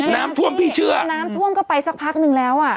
น้ำท่วมพี่เชื่อน้ำท่วมก็ไปสักพักนึงแล้วอ่ะ